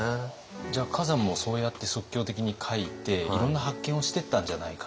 じゃあ崋山もそうやって即興的に描いていろんな発見をしてったんじゃないか。